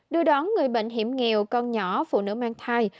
đưa đón người bệnh hiểm nghèo con nhỏ phụ nữ mang thai